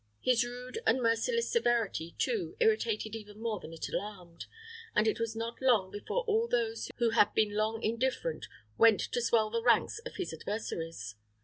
His rude and merciless severity, too, irritated even more than it alarmed, and it was not long before all those who had been long indifferent went to swell the ranks of his adversaries.